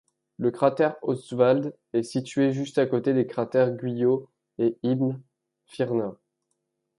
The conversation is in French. Le cratère Ostwald est situé juste à côté des cratères Guyot et Ibn Firnas.